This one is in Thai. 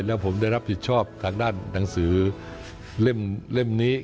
แล้วผมได้รับผิดชอบทางด้านหนังสือเล่มนี้